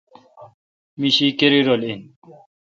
می شی کری رل این۔